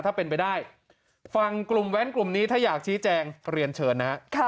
ถ้าเป็นไปได้ฟังกลุ่มแว้นกลุ่มนี้ถ้าอยากชี้แจงเรียนเชิญนะฮะ